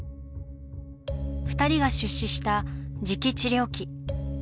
２人が出資した磁器治療器。